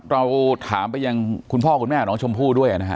เราถามไปยังคุณพ่อกูน้ำม่าก็เราชมพู่ด้วยอ่ะนะฮะ